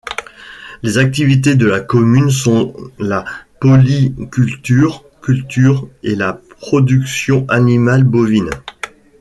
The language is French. Les activités de la commune sont la polycultureculture et la production animale bovine.